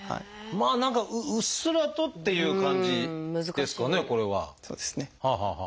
まあ何かうっすらとっていう感じですかねこれは。